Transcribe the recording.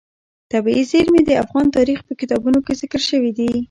طبیعي زیرمې د افغان تاریخ په کتابونو کې ذکر شوی دي.